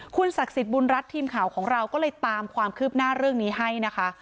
คุณศักดิ์สิทธิ์บุญรัฐทีมข่าวของเราก็เลยตามความคืบหน้าเรื่องนี้ให้นะคะ